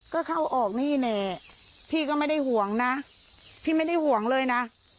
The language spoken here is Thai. ก็เข้าออกนี่แหละพี่ก็ไม่ได้ห่วงนะพี่ไม่ได้ห่วงเลยนะ